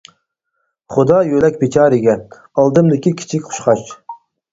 خۇدا يۆلەك بىچارىگە، ئالدىمدىكى كىچىك قۇشقاچ.